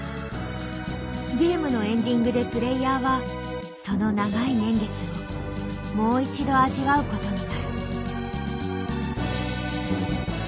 ゲームのエンディングでプレイヤーはその長い年月をもう一度味わうことになる。